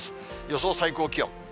予想最高気温。